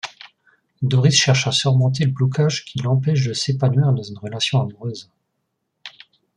Doris cherche à surmonter le blocage qui l'empêche de s'épanouir dans une relation amoureuse.